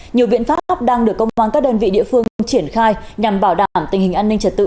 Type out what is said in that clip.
nhiều viện pháp đang được công an các đơn vị địa phương triển khai nhằm bảo đảm tình hình an ninh trật tự